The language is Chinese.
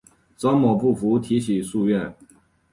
张某不服提起诉愿。